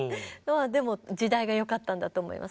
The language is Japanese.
でも時代がよかったんだと思います。